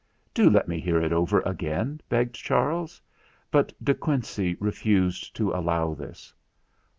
"Do let me hear it over again," begged Charles ; but De Quincey refused to allow this.